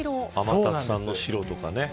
天達さんの白とかね。